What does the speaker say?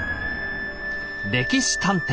「歴史探偵」